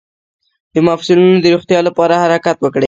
د مفصلونو د روغتیا لپاره حرکت وکړئ